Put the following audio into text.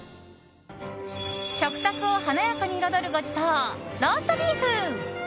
食卓を華やかに彩るごちそうローストビーフ。